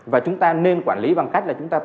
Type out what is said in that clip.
và chúng ta nên quản lý bằng cách là chúng ta